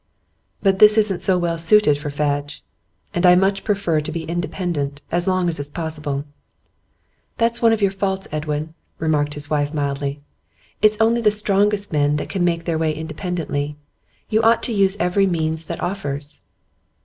'But this isn't so well suited for Fadge. And I much prefer to be independent, as long as it's possible.' 'That's one of your faults, Edwin,' remarked his wife, mildly. 'It's only the strongest men that can make their way independently. You ought to use every means that offers.